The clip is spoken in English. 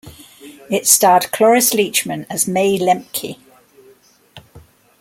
It starred Cloris Leachman as May Lemke.